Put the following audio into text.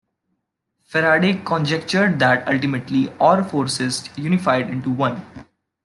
Faraday conjectured that ultimately, all forces unified into one.